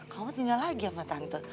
kamu tinggal lagi sama tante